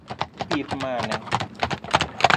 Pith mane?